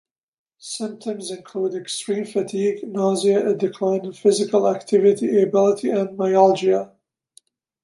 Symptoms included extreme fatigue, nausea, a decline in physical activity ability and myalgia.